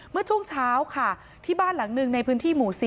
เมื่อช่วงเช้าค่ะที่บ้านหลังหนึ่งในพื้นที่หมู่๔